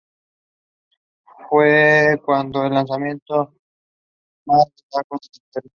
Este fue el cuarto lanzamiento más largo de la historia.